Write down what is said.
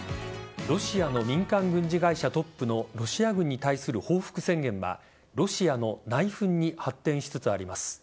ロシアの民間軍事会社トップのロシア軍に対する報復宣言はロシアの内紛に発展しつつあります。